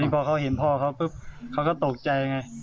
พอเขาเห็นพ่อเขาปุ๊บเขาก็ตกใจไง